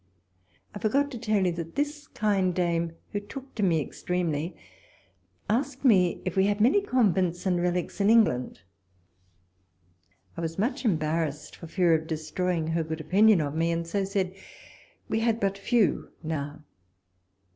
I forgot to tell you, that this kind dame, who took to me extremely, asked me if we had many convents and relics in England. I was much em barrassed for fear of destroying her good 14S walpole's letters. opinion of mc, and so said we had but few now.